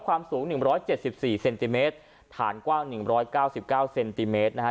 ความสูงหนึ่งร้อยเจ็ดสิบสี่เซนติเมตรฐานกว้างหนึ่งร้อยเก้าสิบเก้าเซนติเมตรนะฮะ